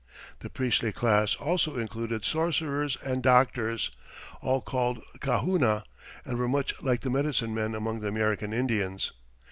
The priestly class also included sorcerers and doctors, all called kahuna, and were much like the medicine men among the American Indians.